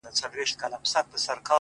خپه وې چي وړې !! وړې !!وړې د فريادي وې!!